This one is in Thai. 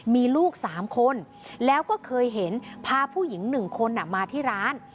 มีลูก๓คนแล้วก็เคยเห็นพาผู้หญิง๑คนมาที่ร้าน